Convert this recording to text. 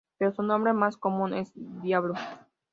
Pero su nombre más común es Diablo.